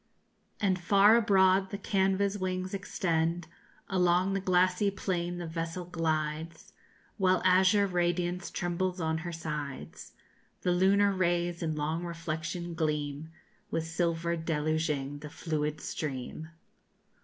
And far abroad the canvas wings extend, Along the glassy plain the vessel glides, While azure radiance trembles on her sides. The lunar rays in long reflection gleam, _With silver deluging the fluid stream.